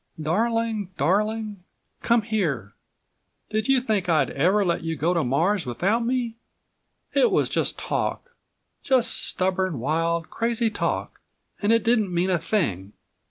"Darling ... darling ... come here. Did you think I'd ever let you go to Mars without me? It was just talk just stubborn, wild, crazy talk and it didn't mean a thing."